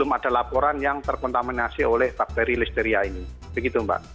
belum ada laporan yang terkontaminasi oleh bakteri listeria ini begitu mbak